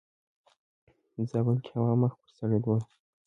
زابل کې هوا مخ پر سړيدو ده.